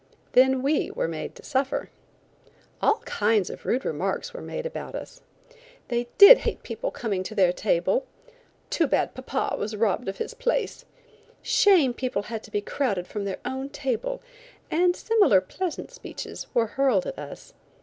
Then we were made to suffer. All kinds of rude remarks were made about us. "They did hate people coming to their table;" "Too bad papa was robbed of his place;" "Shame people had to be crowded from their own table," and similar pleasant speeches were hurled at us.